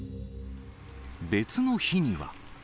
別の日には。